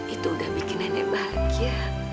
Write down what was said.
itu udah bikin nenek bahagia